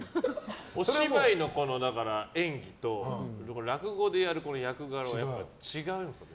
お芝居の演技と落語でやる役柄はやっぱり違うんですか？